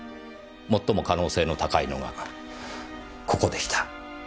最も可能性の高いのがここでした。